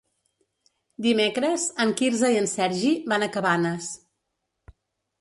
Dimecres en Quirze i en Sergi van a Cabanes.